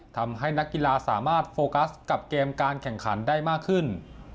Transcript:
นักกีฬาสามารถโฟกัสกับเกมการแข่งขันได้มากขึ้น